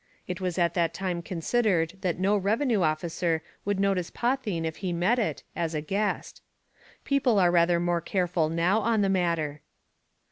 It was at that time considered that no revenue officer would notice potheen if he met it, as a guest. People are rather more careful now on the matter.